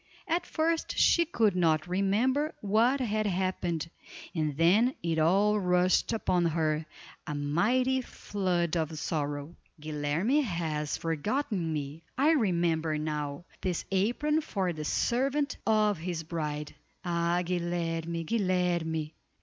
At first she could not remember what had happened, and then it all rushed upon her, a mighty flood of sorrow. "Guilerme has forgotten me! I remember now: this apron for the servant of his bride. Ah! Guilerme! Guilerme!"